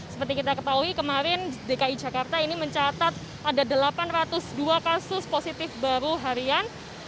seperti kita ketahui kemarin dki jakarta ini mencatat ada delapan ratus dua kasus positif baru harian